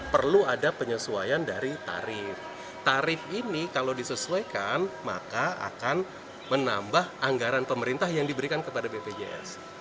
perlu ada penyesuaian dari tarif tarif ini kalau disesuaikan maka akan menambah anggaran pemerintah yang diberikan kepada bpjs